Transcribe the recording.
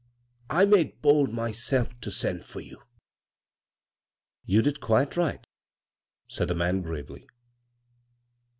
" I made bold myself to send for you." "You did quite right," sMd the man, gravely.